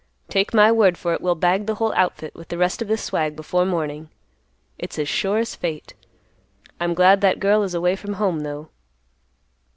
Take my word for it, we'll bag the whole outfit, with the rest of the swag before morning. It's as sure as fate. I'm glad that girl is away from home, though."